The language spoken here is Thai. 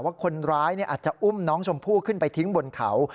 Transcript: ว่าคนร้ายอาจจะอุ้มน้องชมพู่ขึ้นไปทิ้งบนเขา